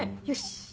よし！